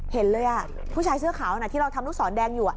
เห็นเลยผู้ชายเสื้อขาวที่เราทำลูกศรแดงอยู่